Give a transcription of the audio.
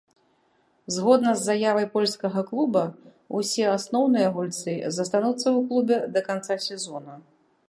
Згодна з заявай польскага клуба, усе асноўныя гульцы застануцца ў клубе да канца сезона.